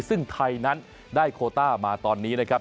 ซึ่งไทยนั้นได้โคต้ามาตอนนี้นะครับ